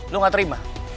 lo gak terima